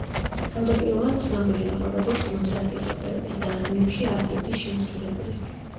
თავდაპირველად ცნობილი იყო როგორც მოცარტის ოპერების დადგმებში არიების შემსრულებელი.